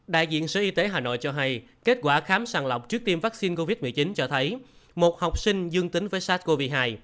đại diện sở y tế hà nội cho hay kết quả khám sàng lọc trước tiêm vaccine covid một mươi chín cho thấy một học sinh dương tính với sars cov hai